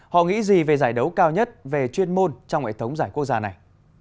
họ nghĩ gì về giải đấu cao nhất về chuyên môn trong hệ thống giải quốc gia này